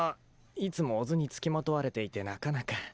いつも小津に付きまとわれていてなかなか。